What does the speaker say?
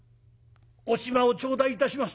「お暇を頂戴いたします」。